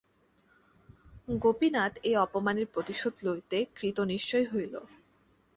গোপীনাথ এই অপমানের প্রতিশোধ লইতে কৃতনিশ্চয় হইল।